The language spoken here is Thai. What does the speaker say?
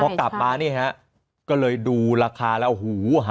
พอกลับมานี่ฮะก็เลยดูราคาแล้วโอ้โห